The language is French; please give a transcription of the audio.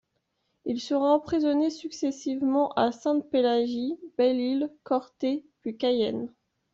Il sera emprisonné successivement à Sainte-Pélagie, Belle-Île, Corte, puis Cayenne.